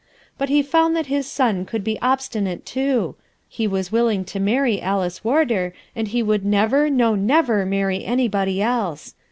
But he found that his son could be obstinate too; he was willing to marry Alice Warder, and he would never, no never, many anybody else.